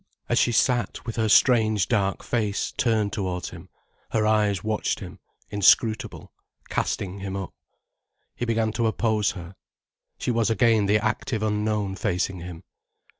As she sat with her strange dark face turned towards him, her eyes watched him, inscrutable, casting him up. He began to oppose her. She was again the active unknown facing him.